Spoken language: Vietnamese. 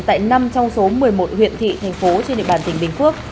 tại năm trong số một mươi một huyện thị thành phố trên địa bàn tỉnh bình phước